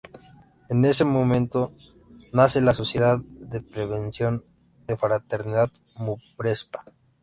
En ese momento nace la Sociedad de Prevención de Fraternidad-Muprespa.